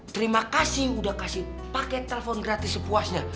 terima kasih udah kasih paket telpon gratis sepuasnya